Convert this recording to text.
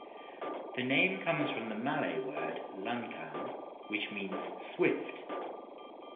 The name comes from the Malay word "lancang" which means "swift".